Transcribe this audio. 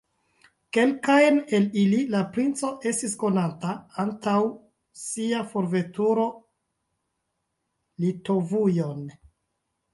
Kelkajn el ili la princo estis konanta antaŭ sia forveturo Litovujon.